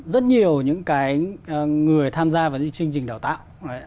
rất nhiều những người tham gia vào những chương trình đào tạo